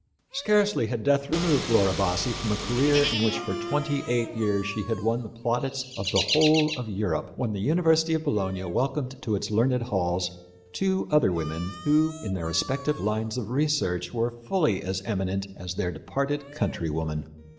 Scarcely had death removed Laura Bassi from a career in which for twenty eight years she had won the plaudits of the whole of Europe, when the University of Bologna welcomed to its learned halls two other women who, in their respective lines of research, were fully as eminent as their departed countrywoman.